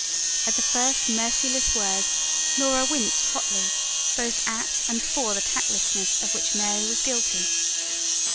At the first merciless words Laura winced hotly, both at and for the tactlessness of which Mary was guilty.